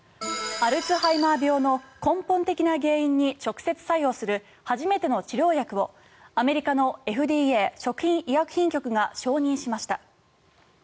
アルツハイマー病の根本的な原因に直接作用する初めての治療薬をアメリカのＦＤＡ・食品医薬品局が承認しました。